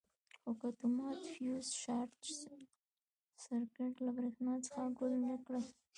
خو که اتومات فیوز شارټ سرکټ له برېښنا څخه ګل نه کړي.